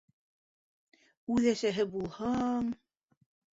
Үҙ әсәһе булһаң...